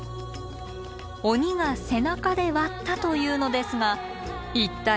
鬼が背中で割ったというのですが一体どうやって？